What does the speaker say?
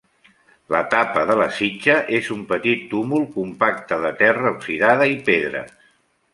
La tapa de la sitja és un petit túmul compacte de terra oxidada i pedres.